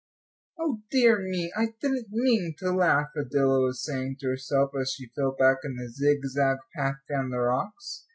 "O dear me, I didn't mean to laugh," Adela was saying to herself as she fell back in the zig zag path down the rocks.